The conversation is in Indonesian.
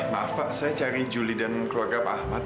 maaf pak saya cari julie dan keluarga pak ahmad